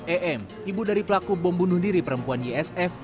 e m ibu dari pelaku bom bunuh diri perempuan ysf